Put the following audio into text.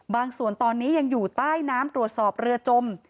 ส่วนตอนนี้ยังอยู่ใต้น้ำตรวจสอบเรือจม